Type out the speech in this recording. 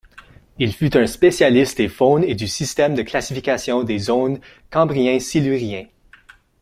Il fut un spécialiste des faunes et du système de classification des zones Cambrien-Silurien.